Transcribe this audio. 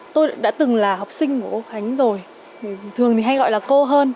tôi đã từng là học sinh của cô khánh rồi thường thì hay gọi là cô hơn